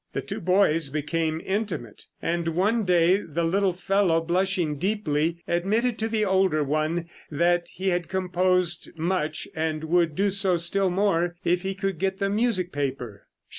The two boys became intimate, and one day the little fellow, blushing deeply, admitted to the older one that he had composed much, and would do so still more if he could get the music paper.